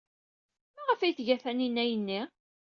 Maɣef ay tga Taninna ayenni?